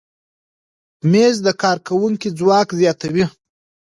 مېز د کارکوونکي ځواک زیاتوي.